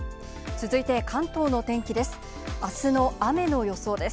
続いて関東の天気です。